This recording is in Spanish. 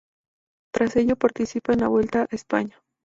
Tras ello participa en la Vuelta a España.